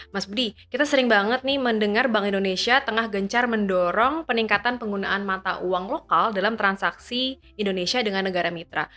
mas budi kita sering banget nih mendengar bank indonesia tengah gencar mendorong peningkatan penggunaan mata uang lokal dalam transaksi indonesia dengan negara mitra